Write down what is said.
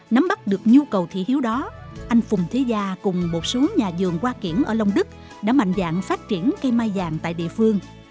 nắm bắt được nhu cầu thị hiếu đó anh phùng thế gia cùng một số nhà vườn hoa kiển ở long đức đã mạnh dạng phát triển cây mai vàng tại địa phương